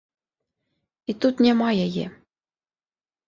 І тут няма яе.